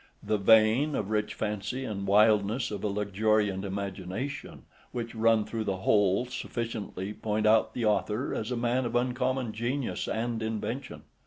The vein of rich fancy, and wildness of a luxuriant imagination, which run through the whole, sufficiently point out the author as a man of uncommon genius and invention.